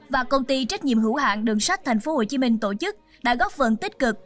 và công ty trách nhiệm hữu hạng đường sách tp hcm tổ chức đã góp phần tích cực